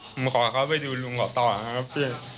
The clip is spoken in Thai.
ผมขอเขาไปดูลุงเขาต่อนะครับ